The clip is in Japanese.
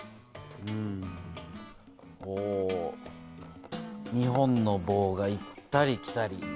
お２本の棒が行ったり来たり。